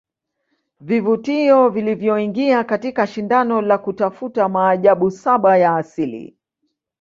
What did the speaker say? Vivutio vilivyoingia katika shindano la kutafuta maajabu saba ya Asili